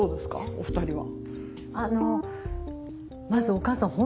お二人は。